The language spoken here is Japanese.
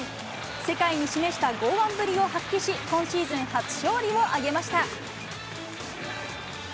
世界に示した剛腕ぶりを発揮し、今シーズン初勝利を挙げました。